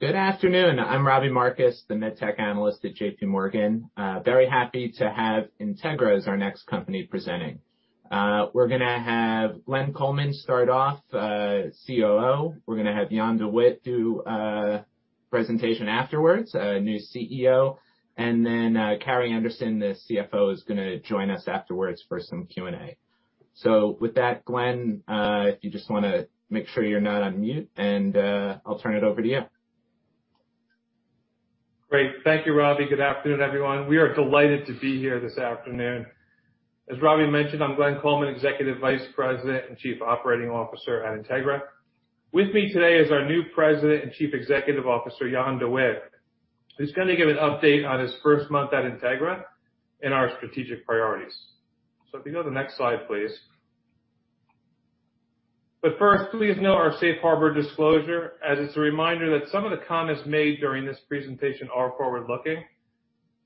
Good afternoon. I'm Robbie Marcus, the MedTech analyst at JPMorgan. Very happy to have Integra as our next company presenting. We're going to have Glenn Coleman start off, COO. We're going to have Jan De Witte do a presentation afterwards, a new CEO. And then Carrie Anderson, the CFO, is going to join us afterwards for some Q&A. So with that, Glenn, if you just want to make sure you're not on mute, and I'll turn it over to you. Great. Thank you, Robbie. Good afternoon, everyone. We are delighted to be here this afternoon. As Robbie mentioned, I'm Glenn Coleman, Executive Vice President and Chief Operating Officer at Integra. With me today is our new President and Chief Executive Officer, Jan De Witte, who's going to give an update on his first month at Integra and our strategic priorities. So if you go to the next slide, please. But first, please note our safe harbor disclosure, as it's a reminder that some of the comments made during this presentation are forward-looking.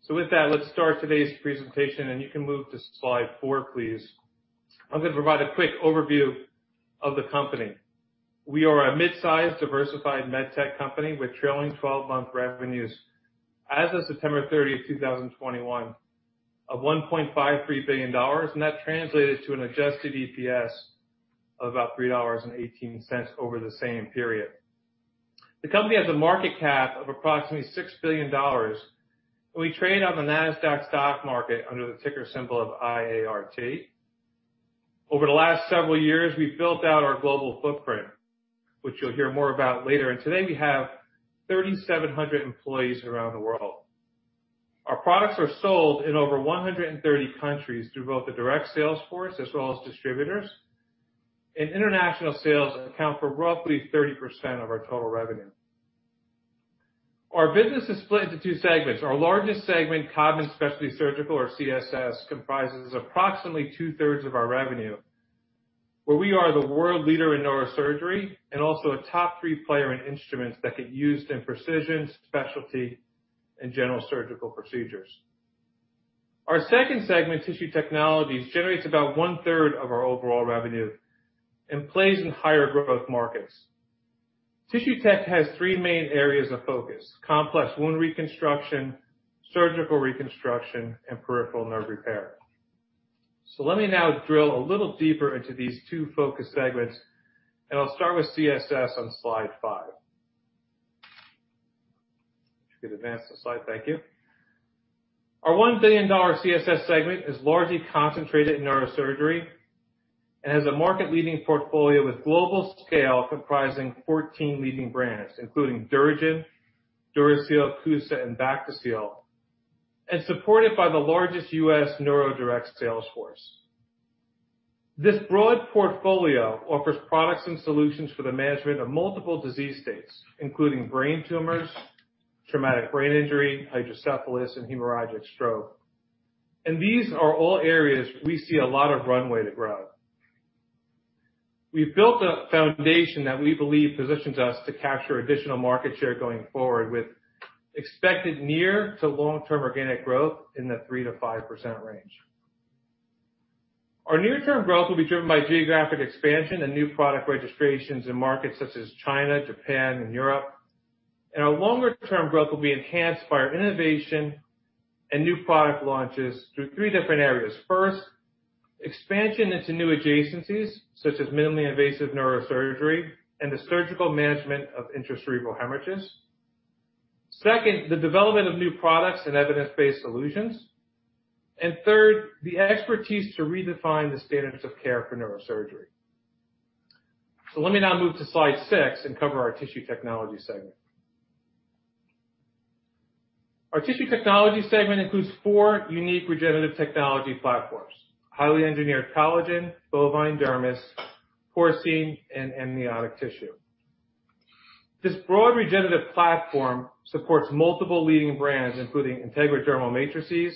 So with that, let's start today's presentation. And you can move to slide four, please. I'm going to provide a quick overview of the company. We are a mid-sized, diversified MedTech company with trailing 12-month revenues as of September 30, 2021, of $1.53 billion. And that translated to an adjusted EPS of about $3.18 over the same period. The company has a market cap of approximately $6 billion. We trade on the NASDAQ stock market under the ticker symbol of IART. Over the last several years, we've built out our global footprint, which you'll hear more about later. Today, we have 3,700 employees around the world. Our products are sold in over 130 countries through both a direct sales force as well as distributors. International sales account for roughly 30% of our total revenue. Our business is split into two segments. Our largest segment, Codman Specialty Surgical, or CSS, comprises approximately two-thirds of our revenue, where we are the world leader in neurosurgery and also a top-three player in instruments that get used in precision, specialty, and general surgical procedures. Our second segment, Tissue Technologies, generates about one-third of our overall revenue and plays in higher growth markets. Tissue Technologies has three main areas of focus: complex wound reconstruction, surgical reconstruction, and peripheral nerve repair. So let me now drill a little deeper into these two focus segments. And I'll start with CSS on slide five. If you could advance the slide, thank you. Our $1 billion CSS segment is largely concentrated in neurosurgery and has a market-leading portfolio with global scale comprising 14 leading brands, including DuraGen, DuraSeal, CUSA, and Bactiseal, and supported by the largest U.S. neuro direct sales force. This broad portfolio offers products and solutions for the management of multiple disease states, including brain tumors, traumatic brain injury, hydrocephalus, and hemorrhagic stroke. And these are all areas we see a lot of runway to grow. We've built a foundation that we believe positions us to capture additional market share going forward, with expected near- to long-term organic growth in the 3%-5% range. Our near-term growth will be driven by geographic expansion and new product registrations in markets such as China, Japan, and Europe. And our longer-term growth will be enhanced by our innovation and new product launches through three different areas. First, expansion into new adjacencies, such as minimally invasive neurosurgery and the surgical management of intracerebral hemorrhages. Second, the development of new products and evidence-based solutions. And third, the expertise to redefine the standards of care for neurosurgery. So let me now move to slide six and cover our Tissue Technologies segment. Our Tissue Technologies segment includes four unique regenerative technology platforms: highly engineered collagen, bovine dermis, porcine, and amniotic tissue. This broad regenerative platform supports multiple leading brands, including Integra Dermal Matrices,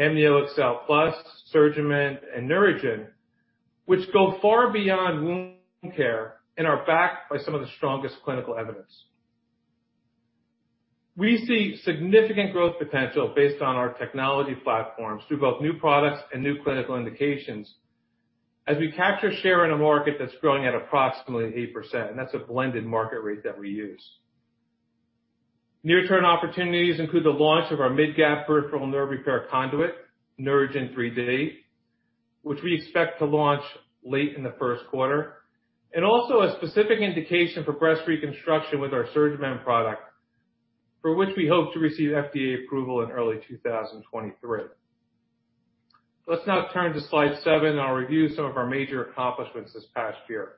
AmnioExcel Plus, SurgiMend, and NeuraGen, which go far beyond wound care and are backed by some of the strongest clinical evidence. We see significant growth potential based on our technology platforms through both new products and new clinical indications as we capture share in a market that's growing at approximately 8%, and that's a blended market rate that we use. Near-term opportunities include the launch of our mid-gap peripheral nerve repair conduit, NeuraGen 3D, which we expect to launch late in the first quarter, and also a specific indication for breast reconstruction with our SurgiMend product, for which we hope to receive FDA approval in early 2023. Let's now turn to slide seven and review some of our major accomplishments this past year.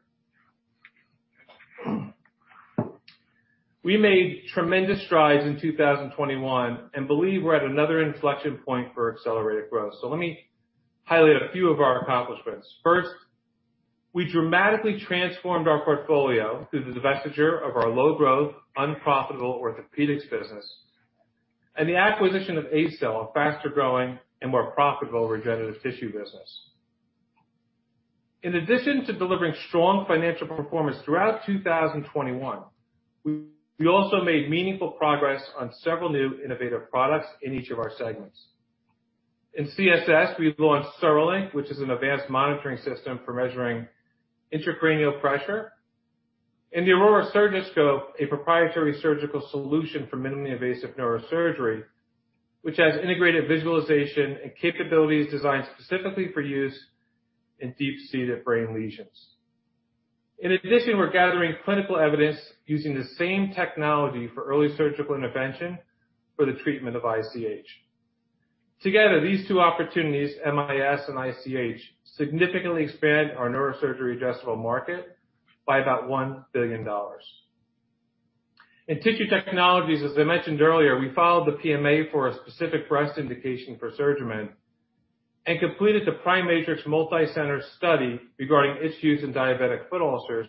We made tremendous strides in 2021 and believe we're at another inflection point for accelerated growth, so let me highlight a few of our accomplishments. First, we dramatically transformed our portfolio through the divestiture of our low-growth, unprofitable orthopedics business and the acquisition of ACell, a faster-growing and more profitable regenerative tissue business. In addition to delivering strong financial performance throughout 2021, we also made meaningful progress on several new innovative products in each of our segments. In CSS, we launched CereLink, which is an advanced monitoring system for measuring intracranial pressure. In the Aurora Surgiscope, a proprietary surgical solution for minimally invasive neurosurgery, which has integrated visualization and capabilities designed specifically for use in deep-seated brain lesions. In addition, we're gathering clinical evidence using the same technology for early surgical intervention for the treatment of ICH. Together, these two opportunities, MIS and ICH, significantly expand our neurosurgery addressable market by about $1 billion. In Tissue Technologies, as I mentioned earlier, we filed the PMA for a specific breast indication for SurgiMend and completed the PriMatrix multicenter study regarding issues in diabetic foot ulcers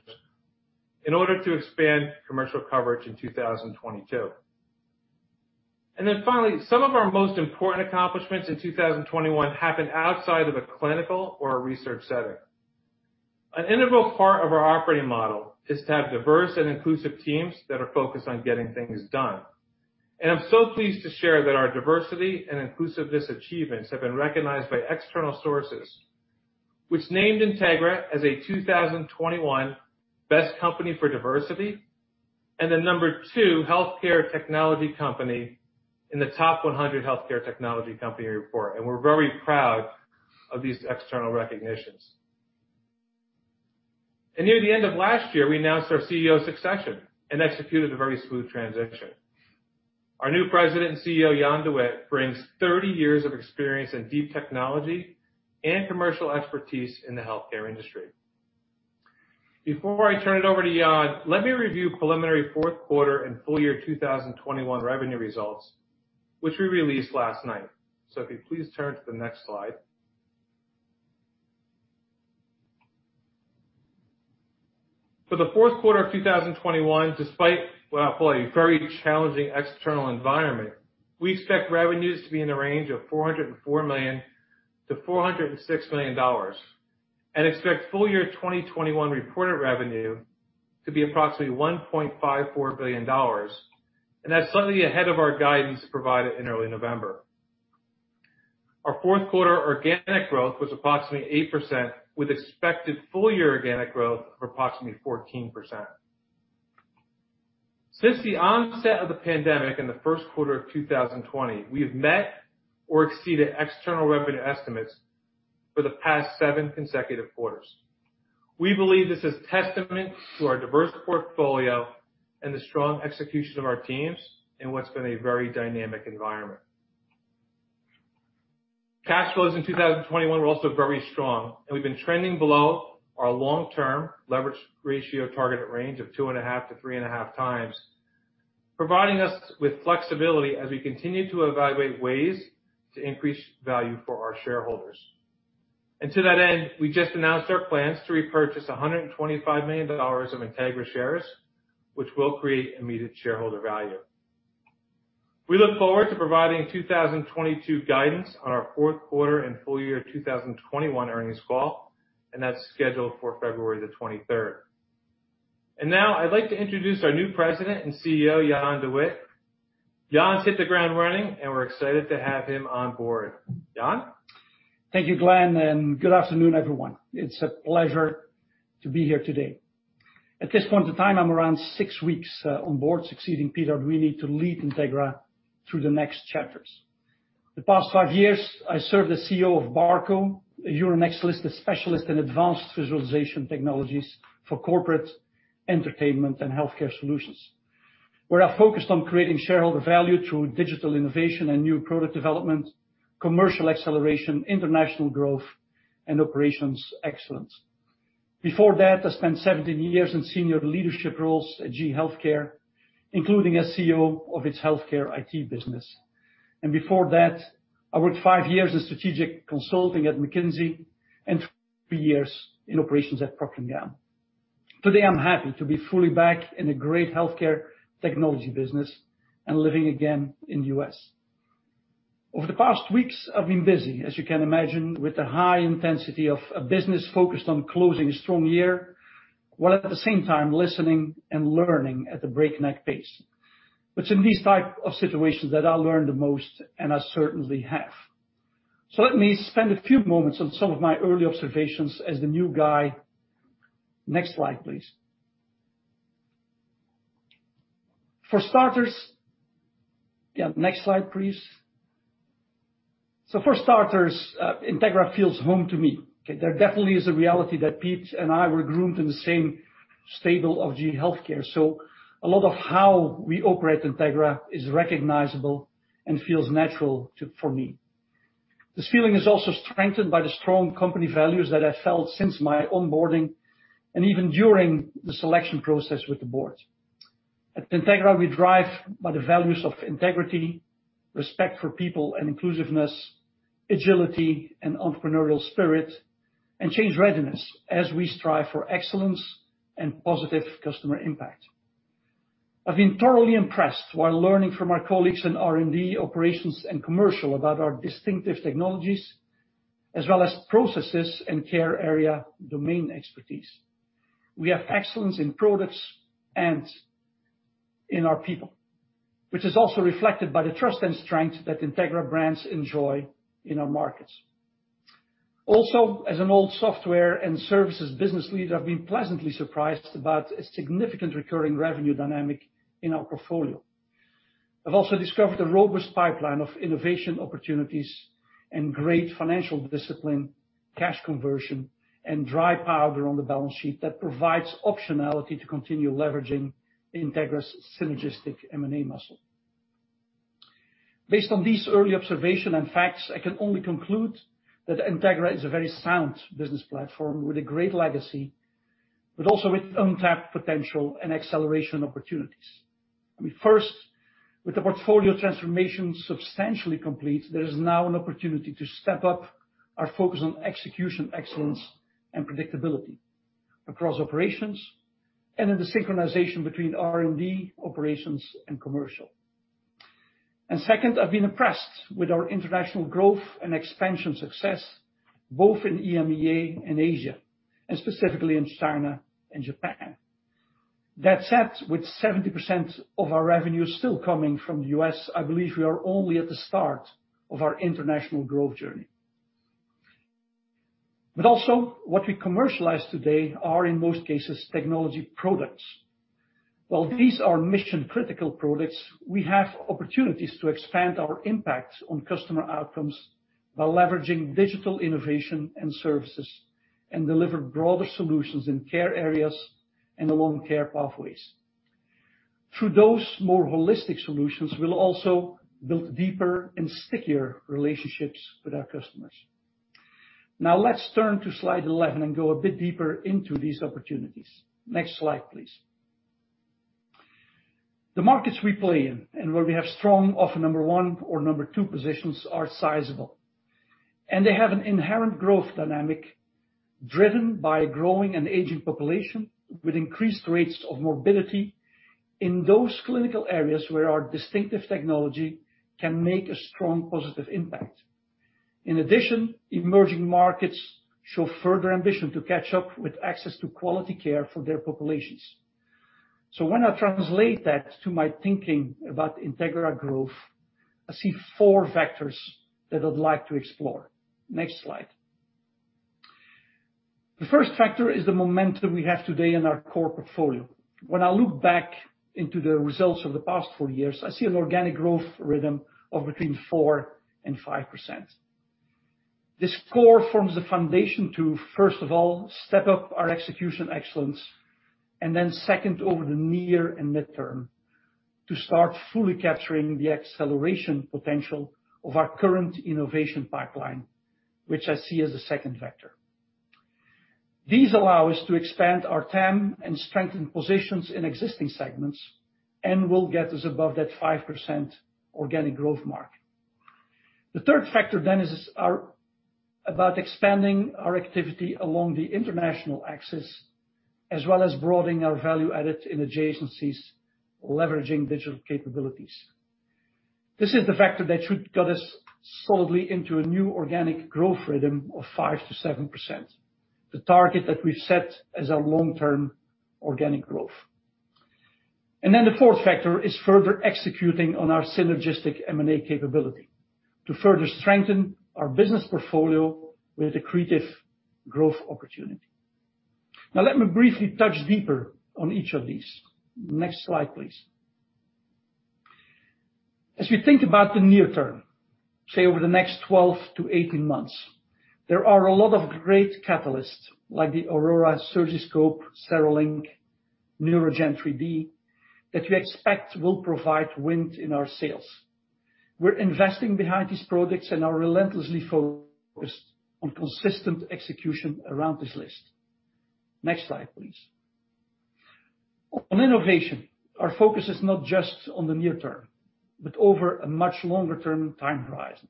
in order to expand commercial coverage in 2022. Then finally, some of our most important accomplishments in 2021 happened outside of a clinical or a research setting. An integral part of our operating model is to have diverse and inclusive teams that are focused on getting things done. I'm so pleased to share that our diversity and inclusiveness achievements have been recognized by external sources, which named Integra as a 2021 Best Company for Diversity and the number two healthcare technology company in the Top 100 Healthcare Technology Company report. We're very proud of these external recognitions. Near the end of last year, we announced our CEO succession and executed a very smooth transition. Our new President and CEO, Jan De Witte, brings 30 years of experience in deep technology and commercial expertise in the healthcare industry. Before I turn it over to Jan, let me review preliminary fourth quarter and full year 2021 revenue results, which we released last night. So if you please turn to the next slide. For the fourth quarter of 2021, despite a very challenging external environment, we expect revenues to be in the range of $404 million-$406 million and expect full year 2021 reported revenue to be approximately $1.54 billion. And that's slightly ahead of our guidance provided in early November. Our fourth quarter organic growth was approximately 8%, with expected full year organic growth of approximately 14%. Since the onset of the pandemic in the first quarter of 2020, we have met or exceeded external revenue estimates for the past seven consecutive quarters. We believe this is a testament to our diverse portfolio and the strong execution of our teams in what's been a very dynamic environment. Cash flows in 2021 were also very strong. We've been trending below our long-term leverage ratio target range of 2.5 to 3.5 times, providing us with flexibility as we continue to evaluate ways to increase value for our shareholders. To that end, we just announced our plans to repurchase $125 million of Integra shares, which will create immediate shareholder value. We look forward to providing 2022 guidance on our fourth quarter and full year 2021 earnings call. That's scheduled for February the 23rd. Now I'd like to introduce our new President and CEO, Jan De Witte. Jan's hit the ground running, and we're excited to have him on board. Jan? Thank you, Glenn. And good afternoon, everyone. It's a pleasure to be here today. At this point in time, I'm around six weeks on board, succeeding Peter Arduini to lead Integra through the next chapters. The past five years, I served as CEO of Barco, a Euronext-listed specialist in advanced visualization technologies for corporate entertainment and healthcare solutions, where I focused on creating shareholder value through digital innovation and new product development, commercial acceleration, international growth, and operations excellence. Before that, I spent 17 years in senior leadership roles at GE Healthcare, including as CEO of its healthcare IT business. And before that, I worked five years in strategic consulting at McKinsey and three years in operations at Procter & Gamble. Today, I'm happy to be fully back in a great healthcare technology business and living again in the US. Over the past weeks, I've been busy, as you can imagine, with the high intensity of a business focused on closing a strong year, while at the same time listening and learning at a breakneck pace. But it's in these types of situations that I learn the most, and I certainly have. So let me spend a few moments on some of my early observations as the new guy. Next slide, please. For starters yeah, next slide, please. So for starters, Integra feels home to me. There definitely is a reality that Pete and I were groomed in the same stable of GE Healthcare. So a lot of how we operate Integra is recognizable and feels natural for me. This feeling is also strengthened by the strong company values that I've felt since my onboarding and even during the selection process with the board. At Integra, we drive by the values of integrity, respect for people and inclusiveness, agility, and entrepreneurial spirit, and change readiness as we strive for excellence and positive customer impact. I've been thoroughly impressed while learning from our colleagues in R&D, operations, and commercial about our distinctive technologies, as well as processes and care area domain expertise. We have excellence in products and in our people, which is also reflected by the trust and strength that Integra brands enjoy in our markets. Also, as an old software and services business leader, I've been pleasantly surprised about a significant recurring revenue dynamic in our portfolio. I've also discovered a robust pipeline of innovation opportunities and great financial discipline, cash conversion, and dry powder on the balance sheet that provides optionality to continue leveraging Integra's synergistic M&A muscle. Based on these early observations and facts, I can only conclude that Integra is a very sound business platform with a great legacy, but also with untapped potential and acceleration opportunities. First, with the portfolio transformation substantially complete, there is now an opportunity to step up our focus on execution excellence and predictability across operations and in the synchronization between R&D, operations, and commercial. And second, I've been impressed with our international growth and expansion success, both in EMEA and Asia, and specifically in China and Japan. That said, with 70% of our revenue still coming from the U.S., I believe we are only at the start of our international growth journey. But also, what we commercialize today are, in most cases, technology products. While these are mission-critical products, we have opportunities to expand our impact on customer outcomes by leveraging digital innovation and services and deliver broader solutions in care areas and along care pathways. Through those more holistic solutions, we'll also build deeper and stickier relationships with our customers. Now let's turn to slide 11 and go a bit deeper into these opportunities. Next slide, please. The markets we play in and where we have strong, often number one or number two positions, are sizable. And they have an inherent growth dynamic driven by a growing and aging population with increased rates of morbidity in those clinical areas where our distinctive technology can make a strong positive impact. In addition, emerging markets show further ambition to catch up with access to quality care for their populations. So when I translate that to my thinking about Integra growth, I see four vectors that I'd like to explore. Next slide. The first factor is the momentum we have today in our core portfolio. When I look back into the results of the past four years, I see an organic growth rhythm of between 4% and 5%. This core forms the foundation to, first of all, step up our execution excellence, and then second, over the near and midterm, to start fully capturing the acceleration potential of our current innovation pipeline, which I see as a second vector. These allow us to expand our TAM and strengthen positions in existing segments and will get us above that 5% organic growth mark. The third factor then is about expanding our activity along the international axis, as well as broadening our value added in adjacencies, leveraging digital capabilities. This is the factor that should get us solidly into a new organic growth rhythm of 5%-7%, the target that we've set as our long-term organic growth. And then the fourth factor is further executing on our synergistic M&A capability to further strengthen our business portfolio with a creative growth opportunity. Now let me briefly touch deeper on each of these. Next slide, please. As we think about the near term, say over the next 12 to 18 months, there are a lot of great catalysts like the Aurora Surgiscope, CereLink, NeuraGen 3D that we expect will provide wind in our sales. We're investing behind these projects and are relentlessly focused on consistent execution around this list. Next slide, please. On innovation, our focus is not just on the near term, but over a much longer-term time horizon.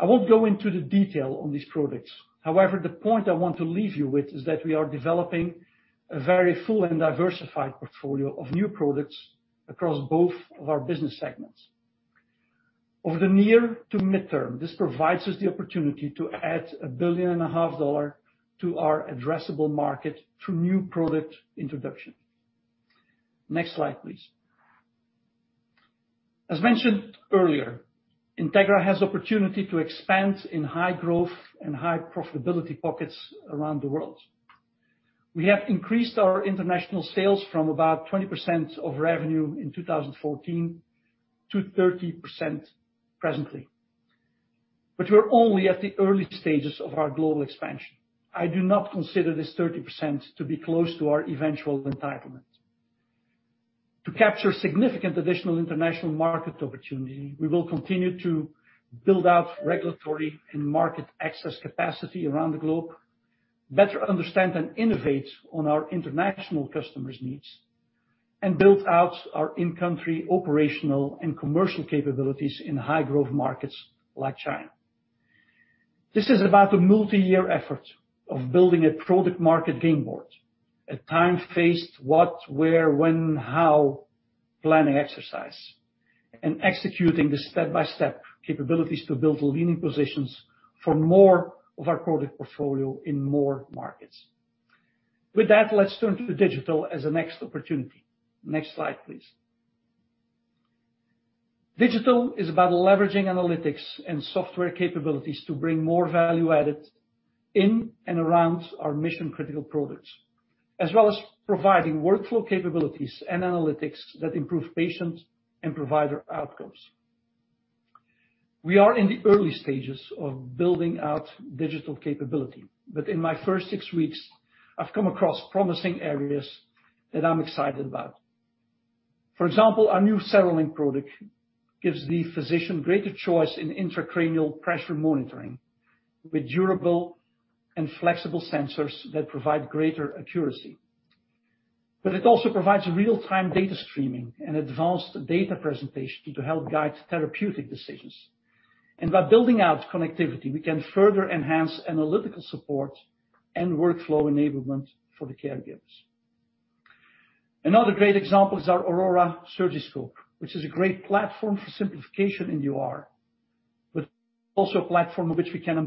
I won't go into the detail on these products. However, the point I want to leave you with is that we are developing a very full and diversified portfolio of new products across both of our business segments. Over the near to midterm, this provides us the opportunity to add $1.5 billion to our addressable market through new product introduction. Next slide, please. As mentioned earlier, Integra has the opportunity to expand in high growth and high profitability pockets around the world. We have increased our international sales from about 20% of revenue in 2014 to 30% presently. But we're only at the early stages of our global expansion. I do not consider this 30% to be close to our eventual entitlement. To capture significant additional international market opportunity, we will continue to build out regulatory and market access capacity around the globe, better understand and innovate on our international customers' needs, and build out our in-country operational and commercial capabilities in high-growth markets like China. This is about a multi-year effort of building a product-market game board, a time-phased what, where, when, how planning exercise, and executing the step-by-step capabilities to build the leading positions for more of our product portfolio in more markets. With that, let's turn to digital as a next opportunity. Next slide, please. Digital is about leveraging analytics and software capabilities to bring more value added in and around our mission-critical products, as well as providing workflow capabilities and analytics that improve patient and provider outcomes. We are in the early stages of building out digital capability. But in my first six weeks, I've come across promising areas that I'm excited about. For example, our new CereLink gives the physician greater choice in intracranial pressure monitoring with durable and flexible sensors that provide greater accuracy. But it also provides real-time data streaming and advanced data presentation to help guide therapeutic decisions. And by building out connectivity, we can further enhance analytical support and workflow enablement for the caregivers. Another great example is our Aurora Surgiscope, which is a great platform for simplification in OR, but also a platform on which we can aim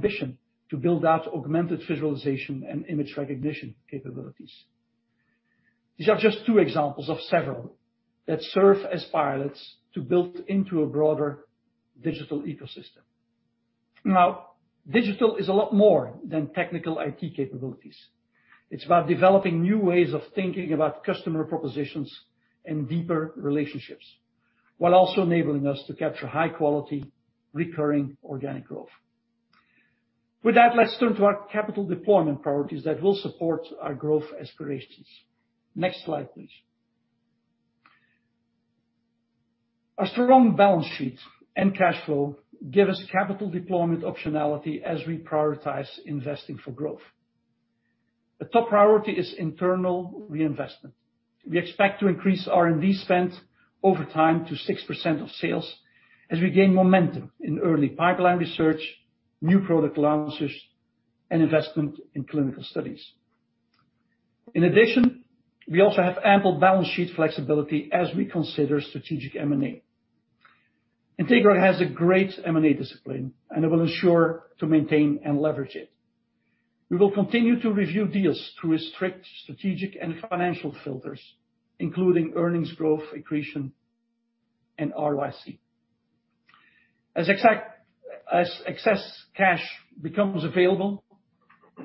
to build out augmented visualization and image recognition capabilities. These are just two examples of several that serve as pilots to build into a broader digital ecosystem. Now, digital is a lot more than technical IT capabilities. It's about developing new ways of thinking about customer propositions and deeper relationships, while also enabling us to capture high-quality, recurring organic growth. With that, let's turn to our capital deployment priorities that will support our growth aspirations. Next slide, please. Our strong balance sheet and cash flow give us capital deployment optionality as we prioritize investing for growth. The top priority is internal reinvestment. We expect to increase R&D spend over time to 6% of sales as we gain momentum in early pipeline research, new product launches, and investment in clinical studies. In addition, we also have ample balance sheet flexibility as we consider strategic M&A. Integra has a great M&A discipline, and it will ensure to maintain and leverage it. We will continue to review deals through strict strategic and financial filters, including earnings growth, accretion, and ROIC. As excess cash becomes available,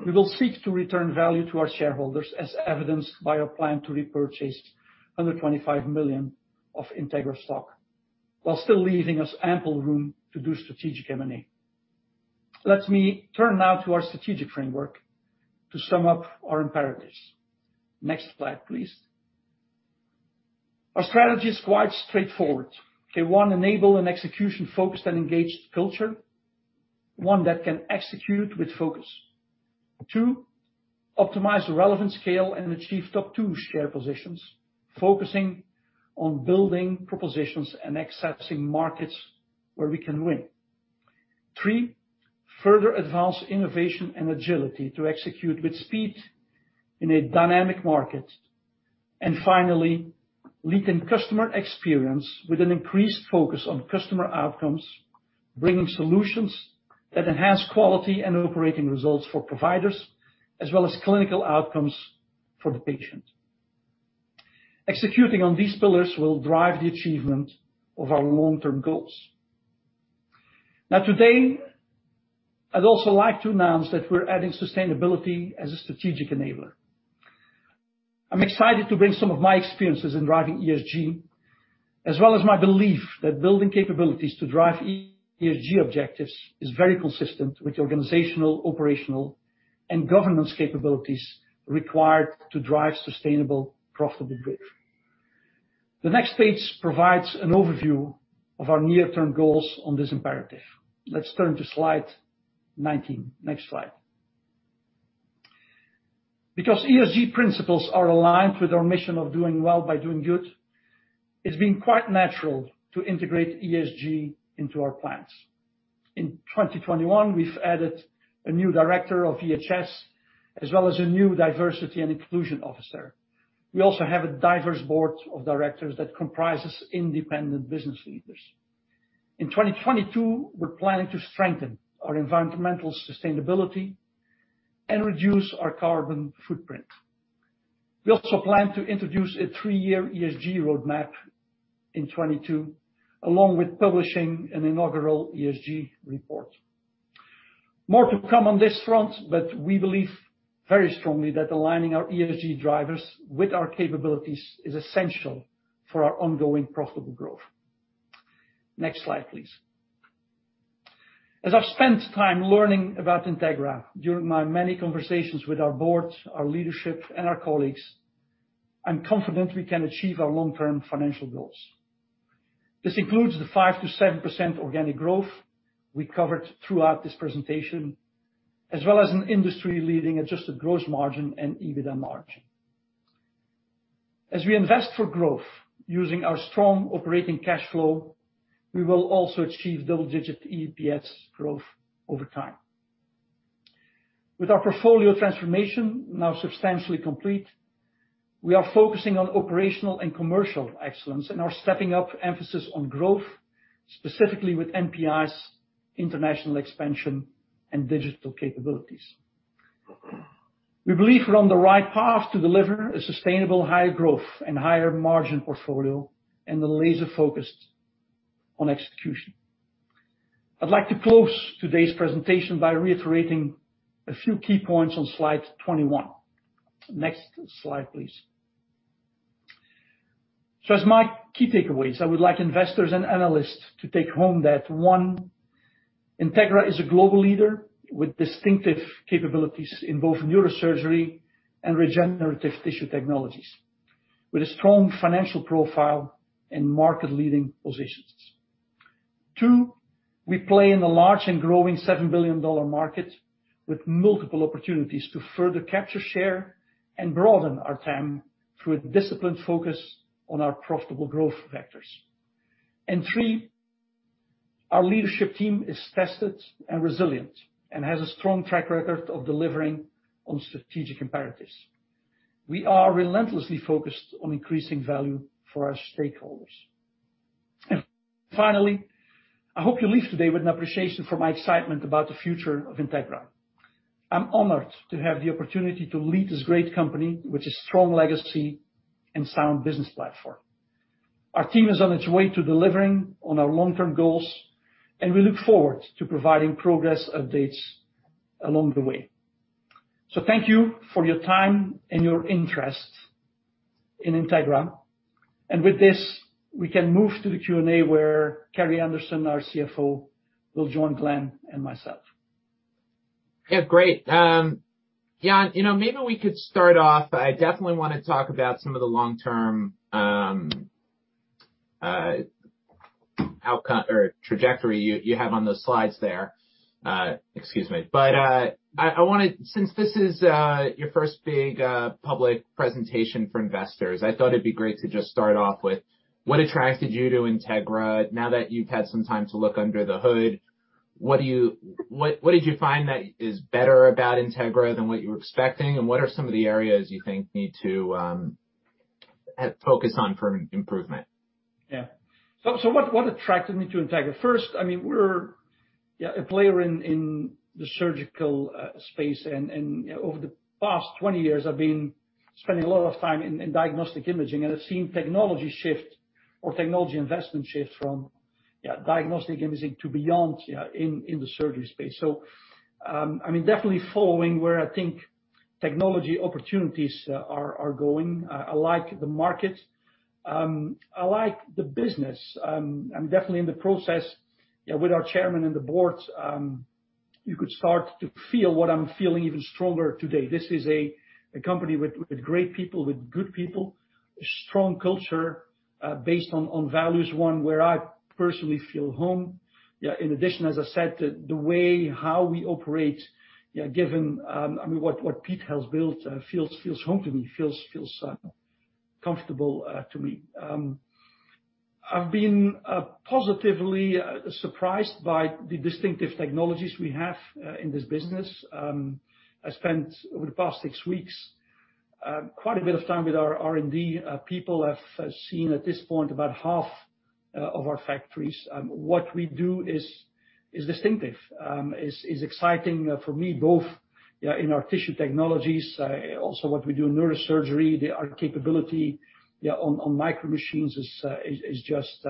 we will seek to return value to our shareholders, as evidenced by our plan to repurchase under $125 million of Integra stock, while still leaving us ample room to do strategic M&A. Let me turn now to our strategic framework to sum up our imperatives. Next slide, please. Our strategy is quite straightforward. OK, one, enable an execution-focused and engaged culture; one, that can execute with focus; two, optimize relevant scale and achieve top-tier share positions, focusing on building propositions and accessing markets where we can win; three, further advance innovation and agility to execute with speed in a dynamic market; and finally, lead in customer experience with an increased focus on customer outcomes, bringing solutions that enhance quality and operating results for providers, as well as clinical outcomes for the patient. Executing on these pillars will drive the achievement of our long-term goals. Now, today, I'd also like to announce that we're adding sustainability as a strategic enabler. I'm excited to bring some of my experiences in driving ESG, as well as my belief that building capabilities to drive ESG objectives is very consistent with the organizational, operational, and governance capabilities required to drive sustainable, profitable growth. The next page provides an overview of our near-term goals on this imperative. Let's turn to slide 19. Next slide. Because ESG principles are aligned with our mission of doing well by doing good, it's been quite natural to integrate ESG into our plans. In 2021, we've added a new director of EHS, as well as a new diversity and inclusion officer. We also have a diverse board of directors that comprises independent business leaders. In 2022, we're planning to strengthen our environmental sustainability and reduce our carbon footprint. We also plan to introduce a three-year ESG roadmap in 2022, along with publishing an inaugural ESG report. More to come on this front, but we believe very strongly that aligning our ESG drivers with our capabilities is essential for our ongoing profitable growth. Next slide, please. As I've spent time learning about Integra during my many conversations with our board, our leadership, and our colleagues, I'm confident we can achieve our long-term financial goals. This includes the 5%-7% organic growth we covered throughout this presentation, as well as an industry-leading adjusted gross margin and EBITDA margin. As we invest for growth using our strong operating cash flow, we will also achieve double-digit EPS growth over time. With our portfolio transformation now substantially complete, we are focusing on operational and commercial excellence and are stepping up emphasis on growth, specifically with NPIs, international expansion, and digital capabilities. We believe we're on the right path to deliver a sustainable, higher growth and higher margin portfolio and we're laser-focused on execution. I'd like to close today's presentation by reiterating a few key points on slide 21. Next slide, please. So as my key takeaways, I would like investors and analysts to take home that, one, Integra is a global leader with distinctive capabilities in both neurosurgery and regenerative tissue technologies, with a strong financial profile and market-leading positions. Two, we play in a large and growing $7 billion market with multiple opportunities to further capture share and broaden our TAM through a disciplined focus on our profitable growth vectors, and three, our leadership team is tested and resilient and has a strong track record of delivering on strategic imperatives. We are relentlessly focused on increasing value for our stakeholders. And finally, I hope you leave today with an appreciation for my excitement about the future of Integra. I'm honored to have the opportunity to lead this great company, which is a strong legacy and sound business platform. Our team is on its way to delivering on our long-term goals, and we look forward to providing progress updates along the way. So thank you for your time and your interest in Integra. And with this, we can move to the Q&A where Carrie Anderson, our CFO, will join Glenn and myself. Yeah, great. Yeah, and maybe we could start off. I definitely want to talk about some of the long-term trajectory you have on those slides there. Excuse me. But I want to, since this is your first big public presentation for investors, I thought it'd be great to just start off with what attracted you to Integra now that you've had some time to look under the hood. What did you find that is better about Integra than what you were expecting? And what are some of the areas you think need to focus on for improvement? Yeah. So what attracted me to Integra? First, I mean, we're a player in the surgical space. And over the past 20 years, I've been spending a lot of time in diagnostic imaging, and I've seen technology shift or technology investment shift from diagnostic imaging to beyond in the surgery space. So I mean, definitely following where I think technology opportunities are going. I like the market. I like the business. I'm definitely in the process with our chairman and the board. You could start to feel what I'm feeling even stronger today. This is a company with great people, with good people, a strong culture based on values, one where I personally feel home. In addition, as I said, the way how we operate, given what Pete has built, feels home to me, feels comfortable to me. I've been positively surprised by the distinctive technologies we have in this business. I spent over the past six weeks quite a bit of time with our R&D people. I've seen at this point about half of our factories. What we do is distinctive, is exciting for me, both in our tissue technologies, also what we do in neurosurgery. Our capability on micro machines is just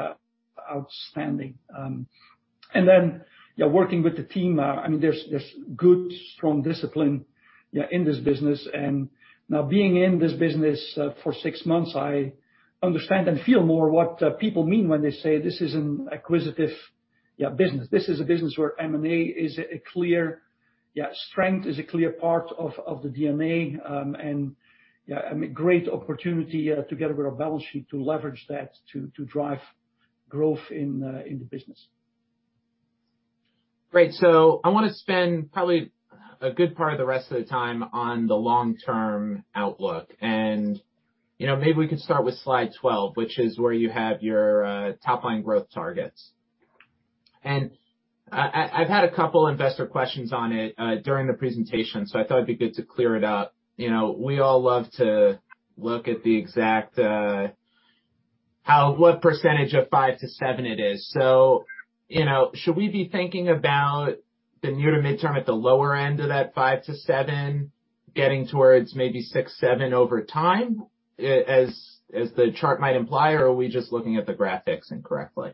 outstanding. And then working with the team, I mean, there's good, strong discipline in this business. Now being in this business for six months, I understand and feel more what people mean when they say this is an acquisitive business. This is a business where M&A is a clear strength, is a clear part of the DNA, and a great opportunity together with our balance sheet to leverage that to drive growth in the business. Great. So I want to spend probably a good part of the rest of the time on the long-term outlook. Maybe we could start with slide 12, which is where you have your top-line growth targets. I've had a couple of investor questions on it during the presentation, so I thought it'd be good to clear it up. We all love to look at the exact what percentage of 5%-7% it is. So should we be thinking about the near to midterm at the lower end of that 5%-7%, getting towards maybe 6, 7 over time, as the chart might imply, or are we just looking at the graphics incorrectly?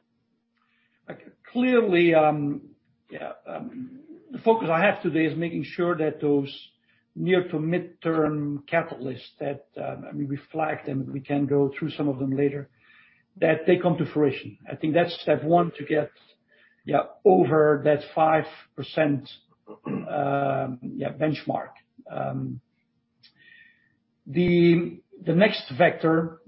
Clearly, the focus I have today is making sure that those near to midterm catalysts that we reflect, and we can go through some of them later, that they come to fruition. I think that's step one to get over that 5% benchmark. The next vector,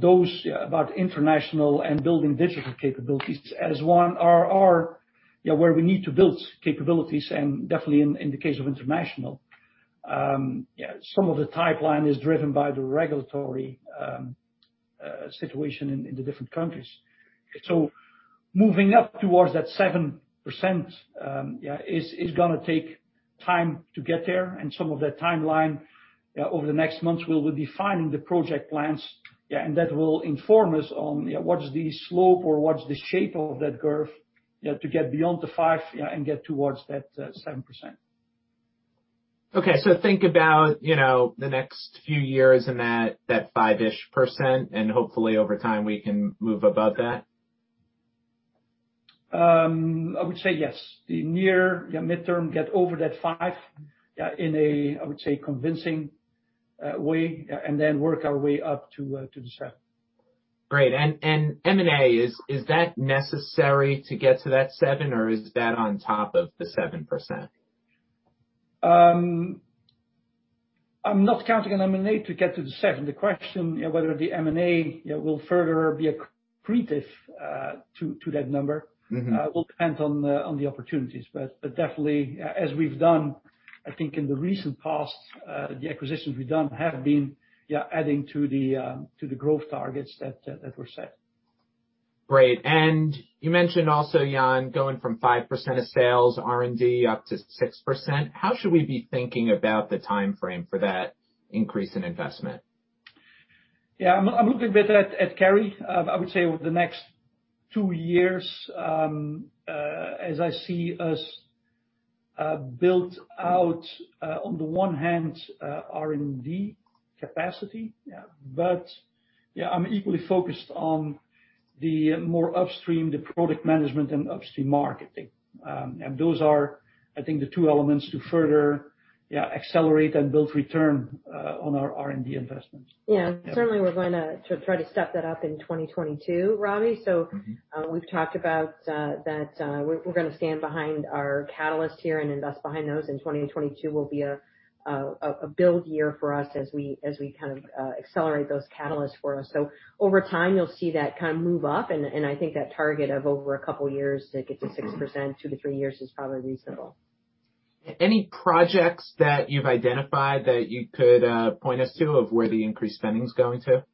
those about international and building digital capabilities as one are where we need to build capabilities, and definitely in the case of international, some of the pipeline is driven by the regulatory situation in the different countries. So moving up towards that 7% is going to take time to get there. Some of that timeline over the next months will be defining the project plans, and that will inform us on what is the slope or what is the shape of that curve to get beyond the five and get towards that 7%. Okay. Think about the next few years and that five-ish percent, and hopefully over time we can move above that? I would say yes. The near midterm, get over that five in a, I would say, convincing way, and then work our way up to the seven. Great. M&A, is that necessary to get to that seven, or is that on top of the 7%? I'm not counting on M&A to get to the seven. The question whether the M&A will further be accretive to that number will depend on the opportunities. But definitely, as we've done, I think in the recent past, the acquisitions we've done have been adding to the growth targets that were set. Great. And you mentioned also, Jan, going from 5% of sales R&D up to 6%. How should we be thinking about the timeframe for that increase in investment? Yeah. I'm looking a bit at Carrie. I would say, over the next two years, as I see us build out, on the one hand, R&D capacity. But I'm equally focused on the more upstream, the product management and upstream marketing. And those are, I think, the two elements to further accelerate and build return on our R&D investments. Yeah. Certainly, we're going to try to step that up in 2022, Robbie. So we've talked about that we're going to stand behind our catalyst here and invest behind those. 2022 will be a build year for us as we kind of accelerate those catalysts for us. Over time, you'll see that kind of move up. I think that target of over a couple of years to get to 6%, two to three years is probably reasonable. Any projects that you've identified that you could point us to of where the increased spending is going to?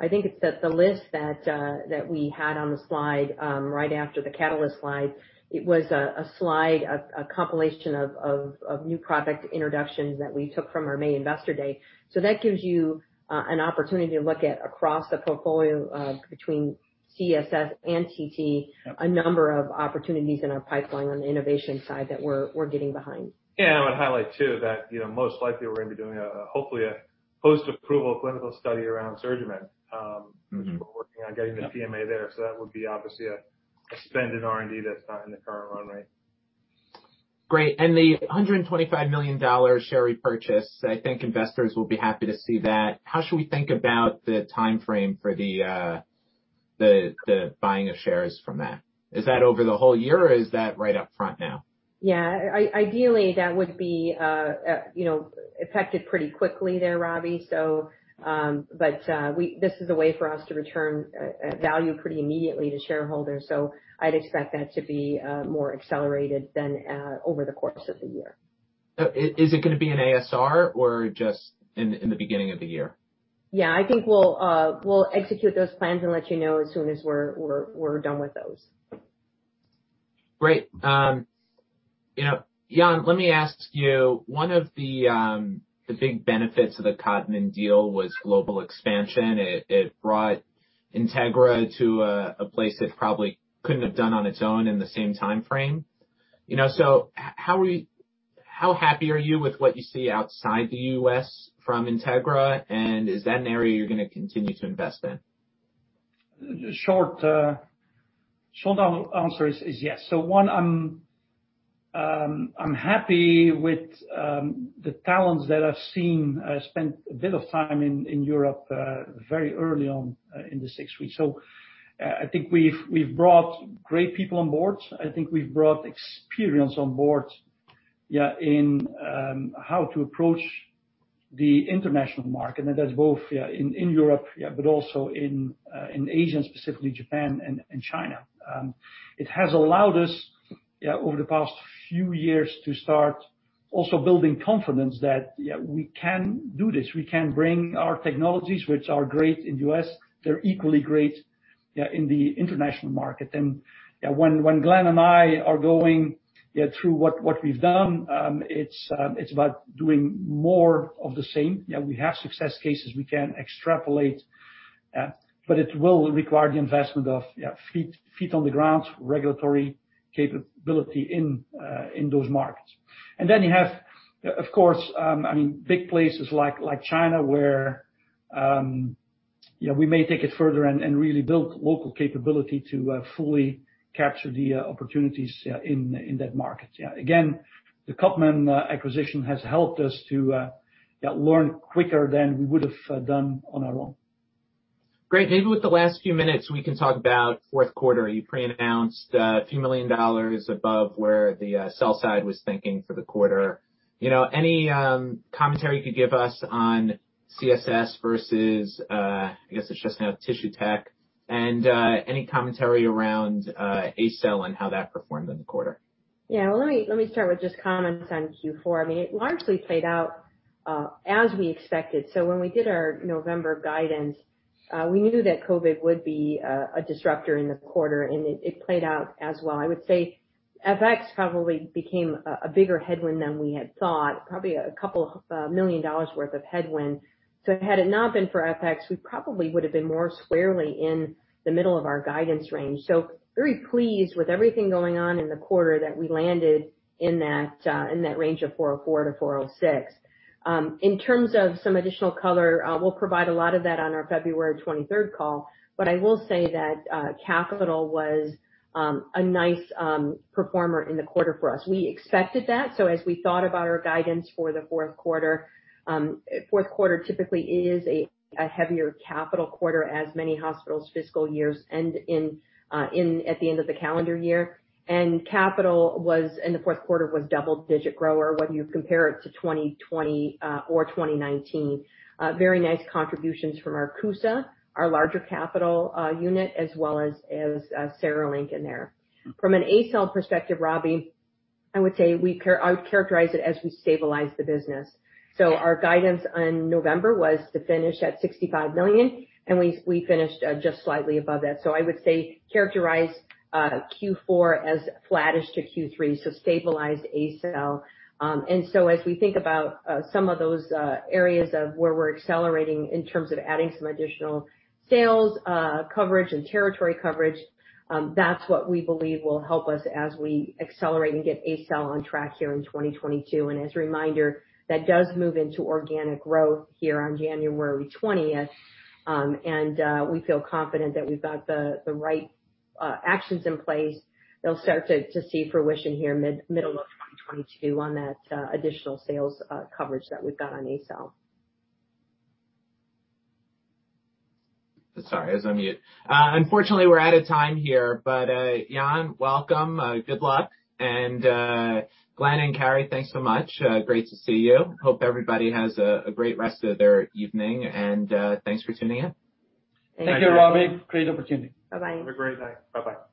I think it's the list that we had on the slide right after the catalyst slide. It was a slide, a compilation of new product introductions that we took from our May Investor Day. That gives you an opportunity to look at across the portfolio between CSS and TT, a number of opportunities in our pipeline on the innovation side that we're getting behind. Yeah. I would highlight too that most likely we're going to be doing a, hopefully, a post-approval clinical study around SurgiMend, which we're working on getting the PMA there. So that would be obviously a spend in R&D that's not in the current run rate. Great. And the $125 million share repurchase, I think investors will be happy to see that. How should we think about the timeframe for the buying of shares from that? Is that over the whole year, or is that right up front now? Yeah. Ideally, that would be affected pretty quickly there, Robbie. But this is a way for us to return value pretty immediately to shareholders. So I'd expect that to be more accelerated than over the course of the year. Is it going to be an ASR or just in the beginning of the year? Yeah. I think we'll execute those plans and let you know as soon as we're done with those. Great. Jan, let me ask you, one of the big benefits of the Codman deal was global expansion. It brought Integra to a place it probably couldn't have done on its own in the same timeframe. How happy are you with what you see outside the U.S. from Integra, and is that an area you're going to continue to invest in? Short answer is yes. One, I'm happy with the talents that I've seen. I spent a bit of time in Europe very early on in the six weeks. I think we've brought great people on board. I think we've brought experience on board in how to approach the international market. And that's both in Europe, but also in Asia, specifically Japan and China. It has allowed us over the past few years to start also building confidence that we can do this. We can bring our technologies, which are great in the U.S. They're equally great in the international market. And when Glenn and I are going through what we've done, it's about doing more of the same. We have success cases. We can extrapolate. But it will require the investment of feet on the ground, regulatory capability in those markets. And then you have, of course, I mean, big places like China where we may take it further and really build local capability to fully capture the opportunities in that market. Again, the Codman acquisition has helped us to learn quicker than we would have done on our own. Great. Maybe with the last few minutes, we can talk about fourth quarter. You pre-announced a few million dollars above where the sell side was thinking for the quarter. Any commentary you could give us on CSS versus, I guess it's just now Tissue Technologies, and any commentary around ACell and how that performed in the quarter? Yeah. Well, let me start with just comments on Q4. I mean, it largely played out as we expected. So when we did our November guidance, we knew that COVID would be a disruptor in the quarter, and it played out as well. I would say FX probably became a bigger headwind than we had thought, probably a couple of million dollars' worth of headwind. So had it not been for FX, we probably would have been more squarely in the middle of our guidance range. So very pleased with everything going on in the quarter, that we landed in that range of $404-$406. In terms of some additional color, we'll provide a lot of that on our February 23rd call. But I will say that capital was a nice performer in the quarter for us. We expected that. So as we thought about our guidance for the fourth quarter, fourth quarter typically is a heavier capital quarter as many hospitals fiscal years end in at the end of the calendar year. And capital in the fourth quarter was double-digit grower when you compare it to 2020 or 2019. Very nice contributions from our CUSA, our larger capital unit, as well as CereLink there. From an ACell perspective, Robbie, I would say I would characterize it as we stabilized the business. So our guidance in November was to finish at $65 million, and we finished just slightly above that. So I would say characterize Q4 as flattish to Q3, so stabilized ACell. And so as we think about some of those areas of where we're accelerating in terms of adding some additional sales, coverage, and territory coverage, that's what we believe will help us as we accelerate and get ACell on track here in 2022. And as a reminder, that does move into organic growth here on January 20th. And we feel confident that we've got the right actions in place. They'll start to see fruition here middle of 2022 on that additional sales coverage that we've got on ACell. Sorry, I was on mute. Unfortunately, we're out of time here. But Jan, welcome. Good luck. And Glenn and Carrie, thanks so much. Great to see you. Hope everybody has a great rest of their evening. And thanks for tuning in. Thank you. Thank you, Robbie. Great opportunity. Bye-bye. Have a great day. Bye-bye.